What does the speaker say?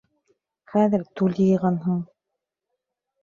Хәҙер түл йыйғанһың...